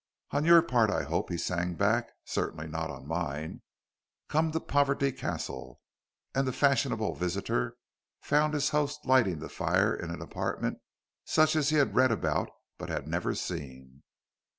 "On your part, I hope," he sang back; "certainly not on mine. Come to Poverty Castle," and the fashionable visitor found his host lighting the fire in an apartment such as he had read about but had never seen.